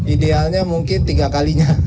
idealnya mungkin tiga kalinya